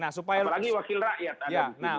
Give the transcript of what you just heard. apalagi wakil rakyat